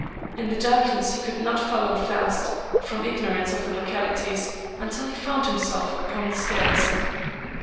In the darkness he could not follow fast^ from ignorance of the localities, until he found himself upoa the stairs.